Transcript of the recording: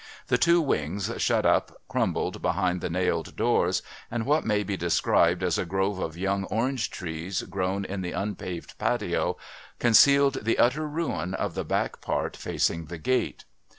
The two wings, shut up, crumbled behind the nailed doors, and what may be described as a grove of young orange trees grown in the unpaved patio concealed the utter ruin of the back part facing the gate.